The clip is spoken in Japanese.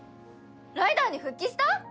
ライダーに復帰した！？